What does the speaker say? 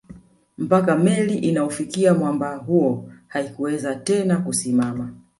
Mpaka meli inaufikia mwamba huo haikuweza tena kusimama